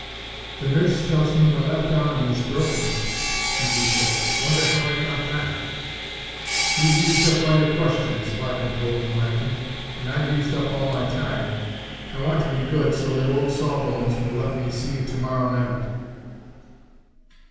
"The nurse tells me my left arm is broken," McGee said. "Wonder how I got that?" "You've used up all your questions," Larkin told him, laughing, "and I've used up all my time. I want to be good so that Old Saw Bones will let me see you to morrow night."